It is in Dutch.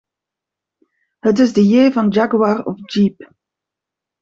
Het is de J van Jaguar of Jeep.